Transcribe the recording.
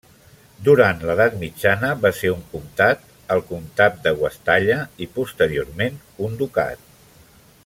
Durant l'edat mitjana va ser un comtat, el Comtat de Guastalla i posteriorment un ducat.